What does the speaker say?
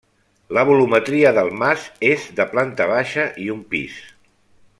La volumetria del mas és de planta baixa i un pis.